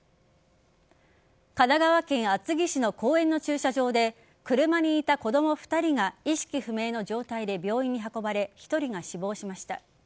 神奈川県厚木市の公園の駐車場で車にいた子供２人が意識不明の状態で病院に運ばれ１人が死亡しました。